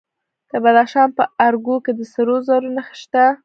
د بدخشان په ارګو کې د سرو زرو نښې شته.